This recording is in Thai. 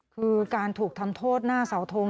คือการถูกทำโทษหน้าเสาทง